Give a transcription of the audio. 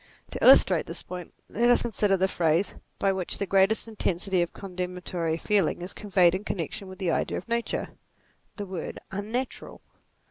To illustrate this point, let us con sider the phrase by which the greatest intensity of condemnatory feeling is conveyed in connection with the idea of nature the word unnatural.